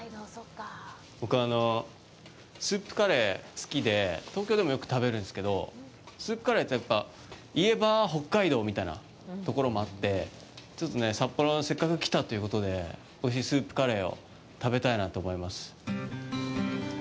僕、スープカレー好きで、東京でもよく食べるんですけど、スープカレーってやっぱ言えば北海道みたいなところもあってちょっと札幌にせっかく来たということでおいしいスープカレーを食べたいなと思います。